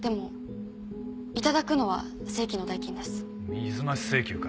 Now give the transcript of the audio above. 水増し請求か。